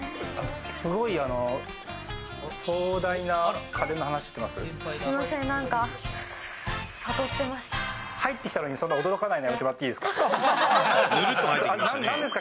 すごい壮大な家電の話してますみません、なんか悟ってま入ってきたのに、そんな驚かないのやめてもらっていいですか？